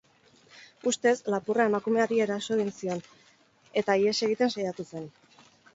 Ustez, lapurra emakumeari eraso egin zion eta ihes egiten saiatu zen.